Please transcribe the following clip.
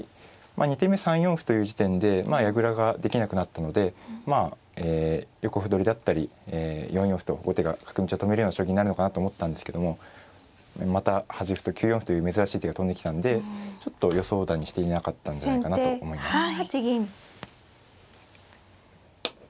まあ２手目３四歩という時点で矢倉ができなくなったのでまあ横歩取りだったり４四歩と後手が角道を止めるような将棋になるのかなと思ったんですけどもまた端歩と９四歩という珍しい手が飛んできたんでちょっと予想だにしていなかったんじゃないかなと思います。